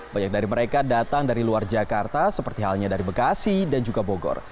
banyak dari mereka datang dari luar jakarta seperti halnya dari bekasi dan juga bogor